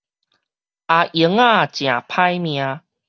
阿英仔誠歹命